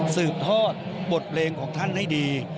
สืบทอดบทเพลงของท่านให้ดี